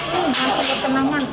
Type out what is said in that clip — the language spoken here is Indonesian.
ini untuk kenangan